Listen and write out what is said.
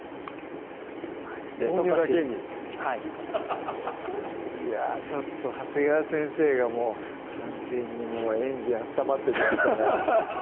「豆乳」だけにはいいやぁちょっと長谷川先生がもう完全にエンジン暖まってきましたね